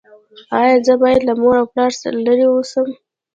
ایا زه باید له مور او پلار لرې اوسم؟